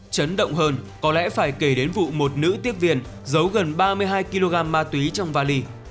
chấn động hơn có lẽ phải kể đến vụ một nữ tiếp viên giấu gần ba mươi hai kg ma túy trong vali